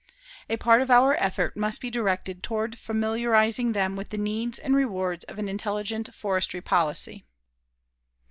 A part of our effort must be directed toward familiarizing them with the needs and rewards of an intelligent forestry policy.